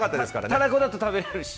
たらこだと食べられるし。